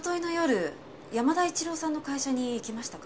山田一郎さんの会社に行きましたか？